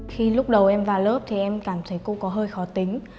khi lúc đầu em vào lớp thì em cảm thấy cô có hơi khó tính